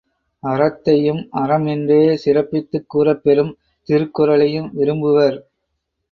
அறத்தையும் அறம் என்றே சிறப்பித்துக் கூறப்பெறும் திருக்குறளையும் விரும்புவர்.